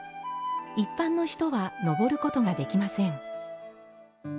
一般の人は登ることができません。